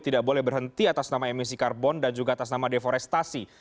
tidak boleh berhenti atas nama emisi karbon dan juga atas nama deforestasi